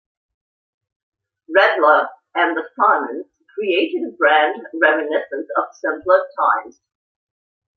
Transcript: Redler and the Simons created a brand reminiscent of simpler times.